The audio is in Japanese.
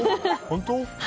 本当？